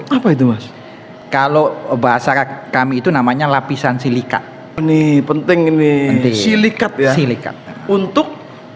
gitu kalau bahasa kami itu namanya lapisan silikat ini penting ini silikat silikat untuk